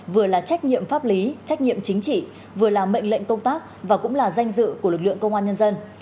vừa là trách nhiệm pháp lý trách nhiệm chính trị vừa là mệnh lệnh công tác và cũng là danh dự của lực lượng công an nhân dân